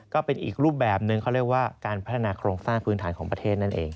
ก็เป็นอีกรูปแบบนึงเขาเรียกว่าการพัฒนาโครงสร้างพื้นฐานของประเทศนั่นเอง